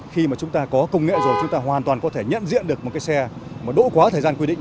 khi mà chúng ta có công nghệ rồi chúng ta hoàn toàn có thể nhận diện được một cái xe mà đỗ quá thời gian quy định